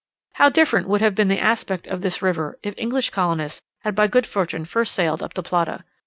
How different would have been the aspect of this river if English colonists had by good fortune first sailed up the Plata!